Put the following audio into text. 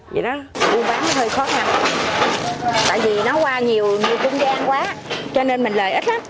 bán cây hơi khó khăn tại vì nó qua nhiều trung gian quá cho nên mình lợi ích lắm